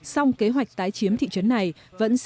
xong kế hoạch tái chiếm thị trấn